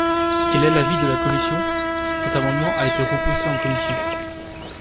Quel est l’avis de la commission ? Cet amendement a été repoussé en commission.